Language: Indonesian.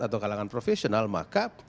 atau kalangan profesional maka